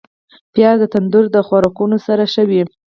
پیاز د تندور خوراکونو سره ښه وي